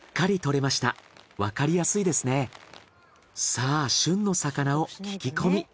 さあ旬の魚を聞き込み。